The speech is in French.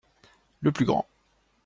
Le plus grand.